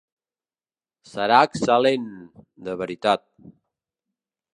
Serà excel·lent, de veritat.